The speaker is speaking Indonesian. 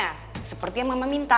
nah sepertinya mama minta